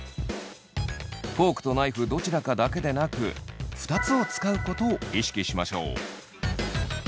フォークとナイフどちらかだけでなく二つを使うことを意識しましょう。